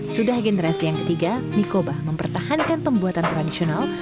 sudah generasi yang ketiga mie koba mempertahankan pembuatan tradisional